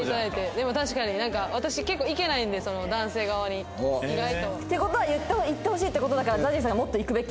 でも確かに私結構いけないんで男性側に意外と。って事はいってほしいって事だからＺＡＺＹさんがもっといくべき。